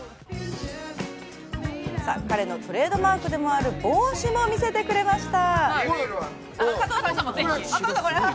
彼のトレードマークでもある帽子も見せてくれました。